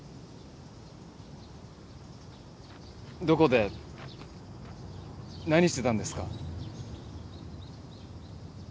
どこで何してたんですか？